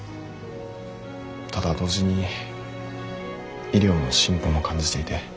ただ同時に医療の進歩も感じていて。